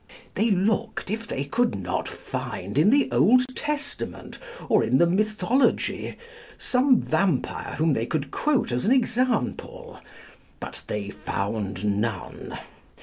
They looked if they could not find in the Old Testament, or in the mythology, some vampire whom they could quote as an example; but they found none.